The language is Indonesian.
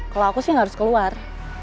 kalau aku sih nggak harus keluar